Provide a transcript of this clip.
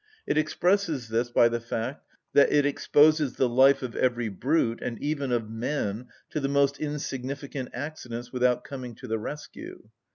It expresses this by the fact that it exposes the life of every brute, and even of man, to the most insignificant accidents without coming to the rescue.